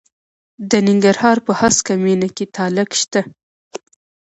د ننګرهار په هسکه مینه کې تالک شته.